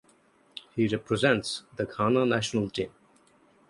He represents the Ghana national team.